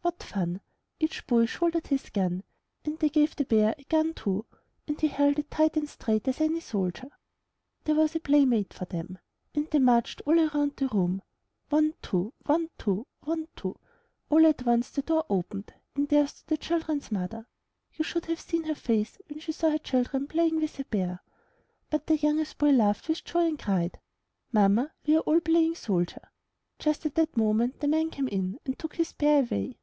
What fun! Each boy shouldered his gun; they gave the bear a gun, too, and he held it tight and straight as any soldier ! There was a playmate for them! Away they marched, all round the room — one, 102 IN THE NURSERY two! — one, two! — one, two! *'A11 at once the door opened, and there stood the children's mother. You should have seen her face when she saw her children playing with a bear! But the youngest boy laughed with joy and cried, 'Mamma, we are all playing soldier!' ''Just at that moment the man came in and took his bear away."